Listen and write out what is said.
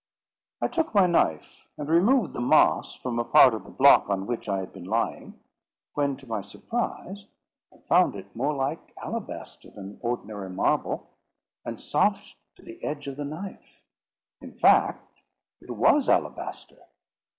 I took my knife and removed the moss from a part of the block on which I had been lying; when, to my surprise, I found it more like alabaster than ordinary marble, and soft to the edge of the knife. In fact, it was alabaster.